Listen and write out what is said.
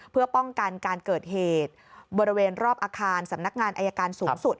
เพื่อป้องกันการเกิดเหตุบริเวณรอบอาคารสำนักงานอายการสูงสุด